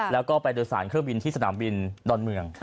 แล้วก็ไปโดยสารเครื่องบินที่สนามบินดอนเมือง